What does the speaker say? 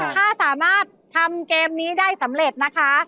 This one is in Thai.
ถ้าสามารถทำเกมนี้ได้สำเร็จนะคะ